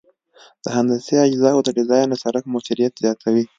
د هندسي اجزاوو ډیزاین د سرک موثریت زیاتوي